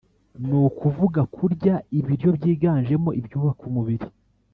ni kuvuga kurya ibiryo byiganjemo ibyubaka umubiri